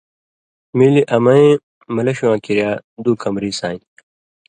مِلیۡ امَیں مَلݜیۡ واں کریا دُو کمری ساندیۡ۔